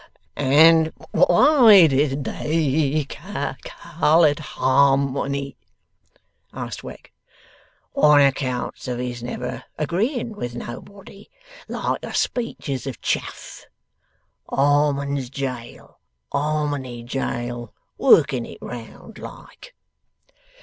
'And why did they callitharm Ony?' asked Wegg. 'On accounts of his never agreeing with nobody. Like a speeches of chaff. Harmon's Jail; Harmony Jail. Working it round like.